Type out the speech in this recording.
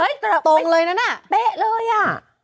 เฮ้ยตรงเลยนั้นอ่ะเป๊ะเลยอ่ะ